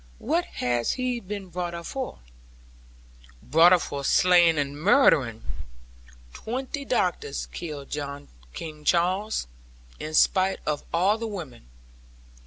What has he been brought up for?' 'Brought up for slaying and murdering. Twenty doctors killed King Charles, in spite of all the women.